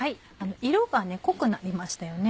色が濃くなりましたよね。